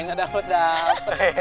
nggak dapet dah